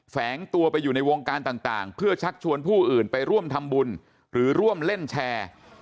แฝงตัวไปอยู่ในวงการต่างเพื่อชักชวนผู้อื่นไปร่วมทำบุญหรือร่วมเล่นแชร์